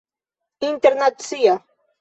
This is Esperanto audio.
internacia